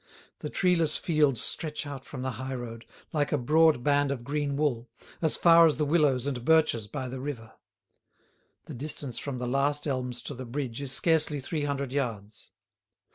The treeless fields stretch out from the high road, like a broad band of green wool, as far as the willows and birches by the river. The distance from the last elms to the bridge is scarcely three hundred yards.